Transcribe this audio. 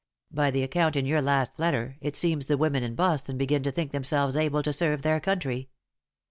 By the account in your last letter, it seems the women in Boston begin to think themselves able to serve their country.